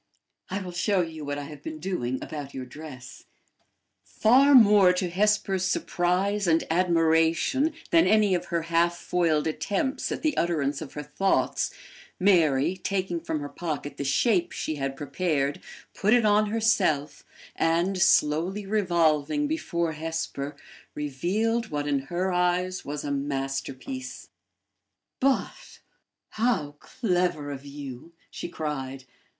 I will show you what I have been doing about your dress." Far more to Hesper's surprise and admiration than any of her half foiled attempts at the utterance of her thoughts, Mary, taking from her pocket the shape she had prepared, put it on herself, and, slowly revolving before Hesper, revealed what in her eyes was a masterpiece. "But how clever of you!" she cried.